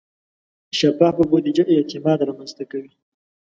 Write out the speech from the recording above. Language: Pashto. شفافه بودیجه اعتماد رامنځته کوي.